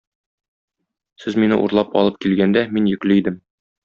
Сез мине урлап алып килгәндә, мин йөкле идем.